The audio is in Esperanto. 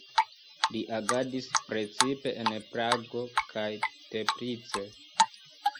Li agadis precipe en Prago kaj Teplice.